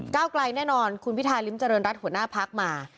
ไกลแน่นอนคุณพิธาริมเจริญรัฐหัวหน้าพักมา